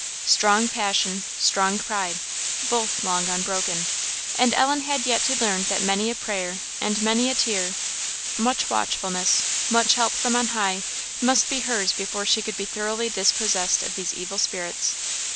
Strong passion strong pride both long unbroken; and Ellen had yet to learn that many a prayer and many a tear, much watchfulness, much help from on high, must be hers before she could be thoroughly dispossessed of these evil spirits.